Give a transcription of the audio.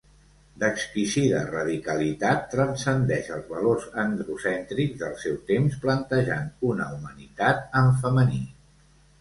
D'exquisida radicalitat, transcendeix els valors androcèntrics del seu temps plantejant una humanitat en femení.